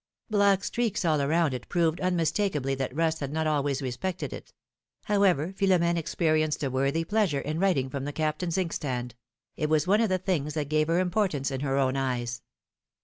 Black streaks all around it proved unmistakably that rust had not always respected it ; however, Philora^ne experienced a worthy pleasure in writing from the Cap tain's ink stand ; it was one of the things that gave her importance in her own eyes.